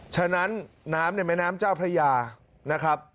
ฉะนั้นน้ำในแม่น้ำเจ้าพระยานะครับ